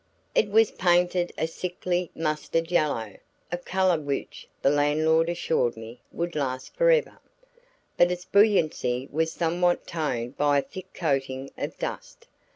It was painted a sickly, mustard yellow (a color which, the landlord assured me, would last forever) but it's brilliancy was somewhat toned by a thick coating of dust.